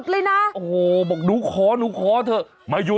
พี่บอกเขารู้